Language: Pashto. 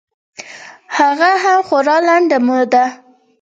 هغه هم خورا لنډه موده.